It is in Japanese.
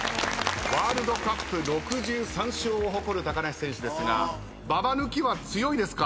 ワールドカップ６３勝を誇る高梨選手ですがババ抜きは強いですか？